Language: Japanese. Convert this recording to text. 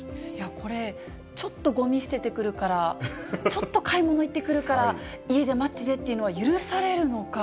これ、ちょっとごみ捨ててくるから、ちょっと買い物行ってくるから家で待っててっていうのが許されるのか。